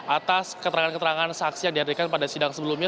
atas keterangan keterangan saksi yang dihadirkan pada sidang sebelumnya